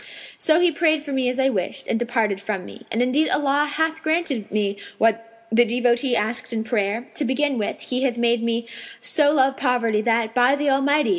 So he prayed for me as I wished, and departed from me. And indeed Allah hath granted me what the devotee asked in prayer: to begin with He hath made me so love poverty that, by the Almighty!